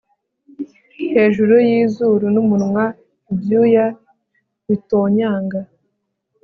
hejuru yizuru n'umunwa, ibyuya bitonyanga